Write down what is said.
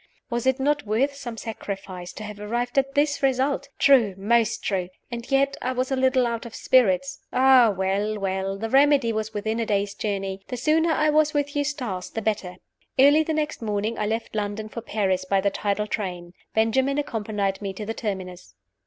Was it not worth some sacrifice to have arrived at this result! True most true! And yet I was a little out of spirits. Ah, well! well! the remedy was within a day's journey. The sooner I was with Eustace the better. Early the next morning I left London for Paris by the tidal train. Benjamin accompanied me to the Terminus.